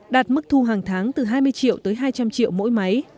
đạt mức thu hàng tháng từ hai mươi triệu tới hai trăm linh triệu mỗi máy